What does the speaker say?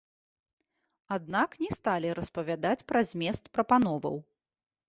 Аднак не сталі распавядаць пра змест прапановаў.